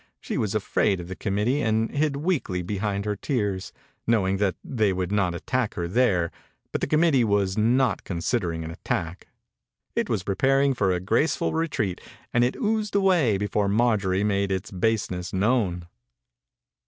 . She was afraid of the committee and hid weakly behind her tears, know ing that they would not attack her there, but the committee was not considering an attack. It was preparing a graceful retreat and it oozed away before Mar jorie made its baseness known.